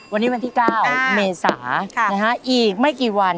วันนี้วันที่๙เมษาอีกไม่กี่วัน